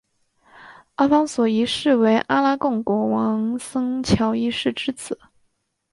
阿方索一世为阿拉贡国王桑乔一世之子。